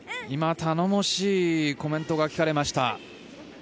今、頼もしいコメントが聞かれました。